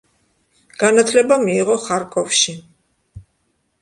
განათლება მიიღო ხარკოვში.